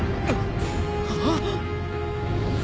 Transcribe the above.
あっ！